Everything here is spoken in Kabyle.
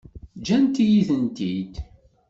Ǧǧant-iyi-tent-id?